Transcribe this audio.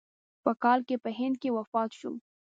په کال کې په هند کې وفات شو.